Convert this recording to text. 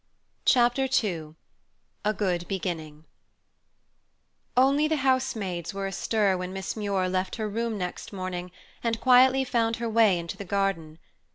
Chapter II A GOOD BEGINNING Only the housemaids were astir when Miss Muir left her room next morning and quietly found her way into the garden.